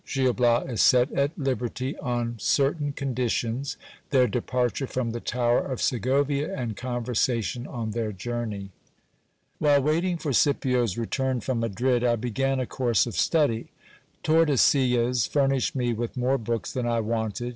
Gil Bias is set at liberty on cer tain conditions. Their departure from the tower of Segovia, and conversation on their journey. While waiting for Scipio's return from Madrid, I began a course of study. Tordesillas furnished me with more books than I wanted.